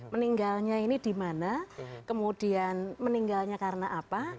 meninggalnya ini di mana kemudian meninggalnya karena apa